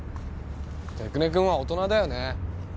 出久根君は大人だよね